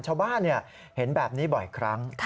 ชาวบ้านเห็นแบบนี้บ่อยครั้ง